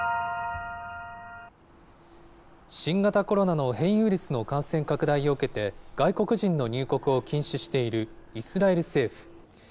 新型コロナの変異ウイルスの感染拡大を受けて、外国人の入国を禁止しているイスラエル政府。